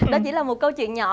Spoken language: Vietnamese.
đó chỉ là một câu chuyện nhỏ